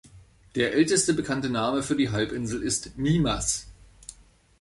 Der älteste bekannte Name für die Halbinsel ist "Mimas".